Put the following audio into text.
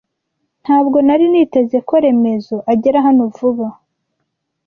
Ntabwo nari niteze ko Remezo agera hano vuba.